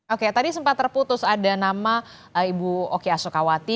oke tadi sempat terputus ada nama ibu oki asokawati